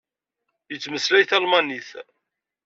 Yettmeslay talmanit.